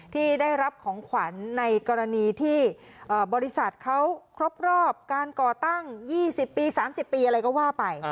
ที่ได้รับของขวัญในกรณีที่บริษัทเขาครบรอบการก่อตั้ง๒๐ปี๓๐ปีอะไรก็ว่าไป